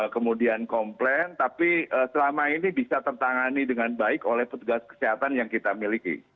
kemudian komplain tapi selama ini bisa tertangani dengan baik oleh petugas kesehatan yang kita miliki